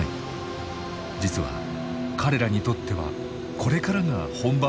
実は彼らにとってはこれからが本番なのだという。